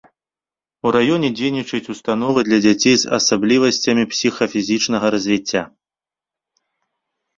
У раёне дзейнічаюць установы для дзяцей з асаблівасцямі псіхафізічнага развіцця.